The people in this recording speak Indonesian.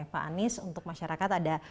pak anies untuk masyarakat ada